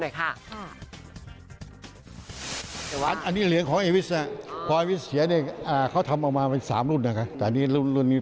เราเกิดได้มีชีวิตนี้แบบเข้ามาในโบงการนี้ได้